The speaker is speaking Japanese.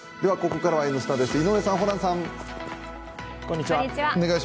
ここからは「Ｎスタ」です井上さん、ホランさん。